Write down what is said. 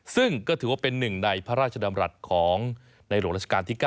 ซึ่งก็ถือว่าเป็นหนึ่งในพระราชดำรัฐของในหลวงราชการที่๙